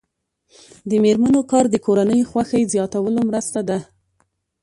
د میرمنو کار د کورنۍ خوښۍ زیاتولو مرسته ده.